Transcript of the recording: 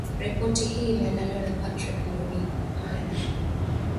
Ripoti hii imeandaliwa na Patrick Nduwimana